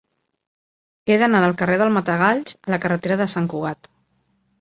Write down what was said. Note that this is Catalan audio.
He d'anar del carrer del Matagalls a la carretera de Sant Cugat.